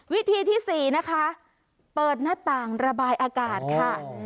วิธีที่๔นะคะเปิดหน้าต่างระบายอากาศค่ะ